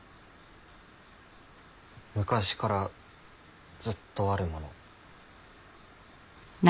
昔からずっとあるもの。